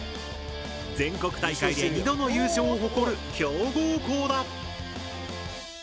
全国大会で２度の優勝を誇る強豪校だ。